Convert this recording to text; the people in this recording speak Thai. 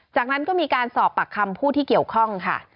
จากนั้นก็มีการสอบปากคำผู้ที่เกี่ยวข้องค่ะ